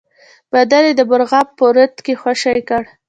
بدن یې د مرغاب په رود کې خوشی کړ.